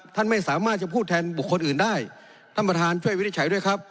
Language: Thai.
ท่านไม่สามารถจะพูดแทนบุคคลอื่นได้ท่านประธานช่วยวินิจฉัยด้วยครับ